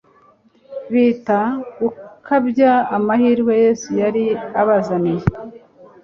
Bita gukabya amahirwe Yesu yari abazaniye.